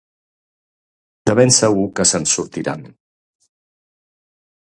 De ben segur que se n´ensortiran.